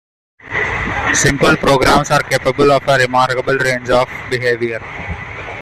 Simple programs are capable of a remarkable range of behavior.